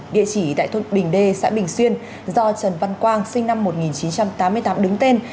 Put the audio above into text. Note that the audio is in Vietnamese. địa chỉ tại thôn bình d xã bình xuyên do trần văn quang sinh năm một nghìn chín trăm tám mươi tám đứng tên